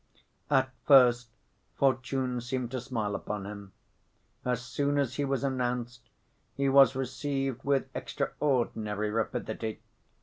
At first fortune seemed to smile upon him. As soon as he was announced he was received with extraordinary rapidity.